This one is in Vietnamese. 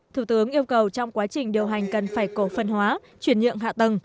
thủ tướng yêu cầu trong quá trình điều hành cần phải cổ phân hóa chuyển nhượng hạ tầng